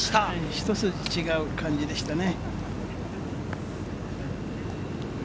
一筋違う感じでしたね。